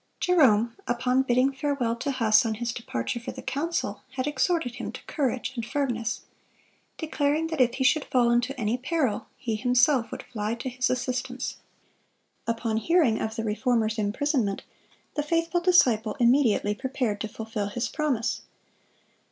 Jerome, upon bidding farewell to Huss on his departure for the council, had exhorted him to courage and firmness, declaring that if he should fall into any peril, he himself would fly to his assistance. Upon hearing of the Reformer's imprisonment, the faithful disciple immediately prepared to fulfil his promise.